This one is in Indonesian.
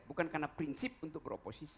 bukan karena prinsip untuk beroposisi